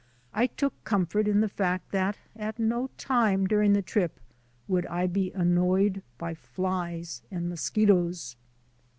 I took comfort in the fact that at no time during the trip would I be annoyed by flies and mosquitoes.